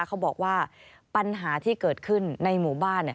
เขาบอกว่าปัญหาที่เกิดขึ้นในหมู่บ้าน